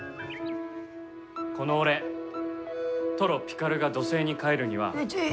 この俺トロピカルが土星に帰るには。